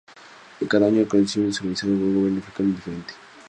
Cada año el acontecimiento es co-organizado por un gobierno africano diferente.